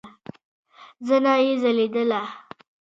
زنه يې ځليدله.